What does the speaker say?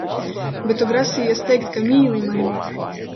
Bet tu grasījies teikt, ka mīIi mani!